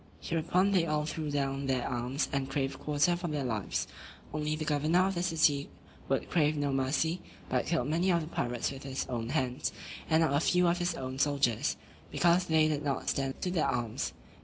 Hereupon they all threw down their arms, and craved quarter for their lives; only the governor of the city would crave no mercy, but killed many of the pirates with his own hands, and not a few of his own soldiers; because they did not stand to their arms.